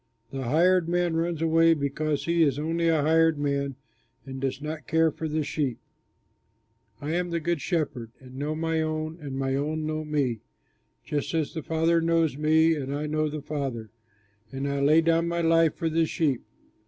The hired man runs away because he is only a hired man and does not care for the sheep. "I am the Good Shepherd and know my own, and my own know me, just as the Father knows me and I know the Father, and I lay down my life for the sheep.